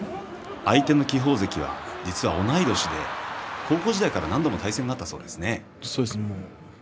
相手の輝鵬関は同い年で高校時代から何度も対戦があったそうですね。